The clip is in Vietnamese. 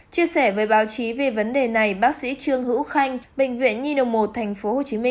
chia sẻ với báo chí về vấn đề này bác sĩ trương hữu khanh bệnh viện nhi đồng một tp hcm